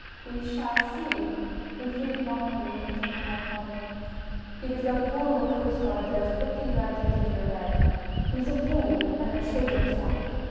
"We shall see !" repeated Bonne Marie, lifting her head, haughtily. " It is that fool of a Coast Guard that has put these ideas into your head ! He is a fool and a traitor beside